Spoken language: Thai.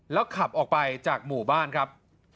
แล้วขับออกไปจากหมู่บ้านครับ